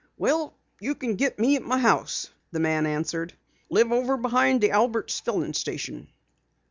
"Well, you can get me at my house," the man answered. "I live over behind the Albert's Filling Station."